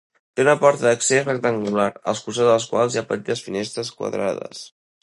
Té una porta d'accés rectangular, als costats de la qual hi ha petites finestres quadrades.